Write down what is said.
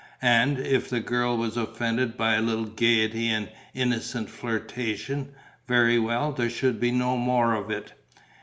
And, if the girl was offended by a little gaiety and innocent flirtation, very well, there should be no more of it.